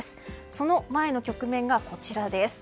その前の局面がこちらです。